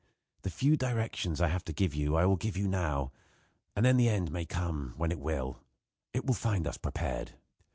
The few directions I have to give you I will give you now, and then the end may come when it will. It will find us prepared."